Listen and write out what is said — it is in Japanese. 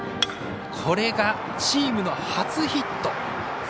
これがチームの初ヒット。